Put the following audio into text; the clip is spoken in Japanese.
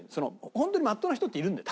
本当にまっとうな人っているんだよ